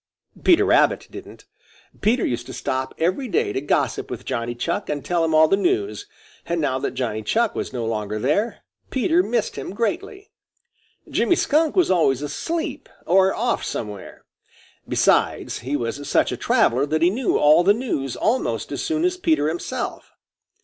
Peter Rabbit didn't. Peter used to stop every day to gossip with Johnny Chuck and tell him all the news, and now that Johnny Chuck was no longer there, Peter missed him greatly. Jimmy Skunk was always asleep or off somewhere. Besides, he was such a traveler that he knew all the news almost as soon as Peter himself.